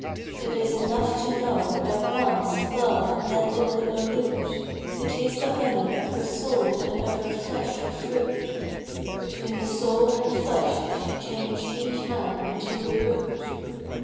It is enough to know that once love led them with a lute To taste the honey of her soul and of her flesh the fruit; Between the soul and flesh she changed each man into a brute.